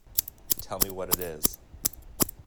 Tell me what it is.